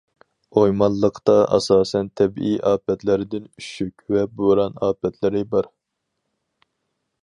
ئويمانلىقتا ئاساسەن تەبىئىي ئاپەتلەردىن ئۈششۈك ۋە بوران ئاپەتلىرى بار.